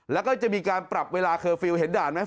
แล้วก็จะมีการปรับเวลาเคอร์ฟิลล์เห็นด่านไหม